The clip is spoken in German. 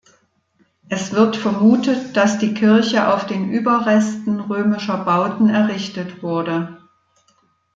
Es wird vermutet, dass die Kirche auf den Überresten römischer Bauten errichtet wurde.